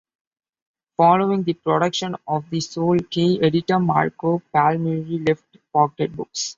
Following the production of "The Soul Key", editor Marco Palmieri left Pocket Books.